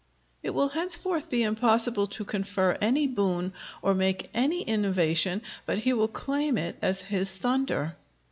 It will henceforth be impossible to confer any boon, or make any innovation, but he will claim it as his thunder.